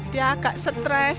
dia agak stres